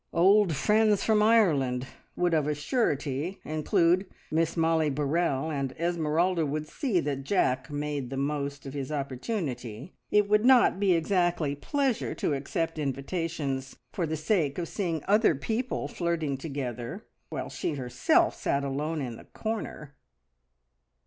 "Old friends from Ireland" would of a surety include Miss Mollie Burrell, and Esmeralda would see that Jack made the most of his opportunity. It would not be exactly pleasure to accept invitations for the sake of seeing other people flirting together, while she herself sat alone in a corner.